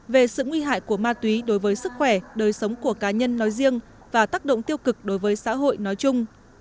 về sự nguy hại của ma túy đối với sức khỏe đời sống của cá nhân nói riêng và tác động tiêu cực đối với xã hội nói chung